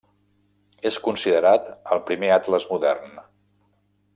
És considerat el primer atles modern.